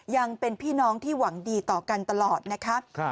ยังเป็นพี่น้องที่หวังดีต่อกันตลอดนะคะ